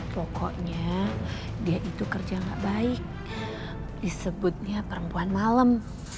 pokoknya dia itu kerja gak baik disebutnya perempuan malam